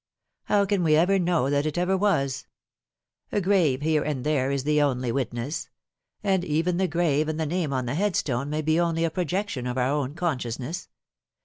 How can we know that it ever was ? A grave here and there is the only witness ; and even the grave and the name on the headstone may be only a projection of our own, consciousness.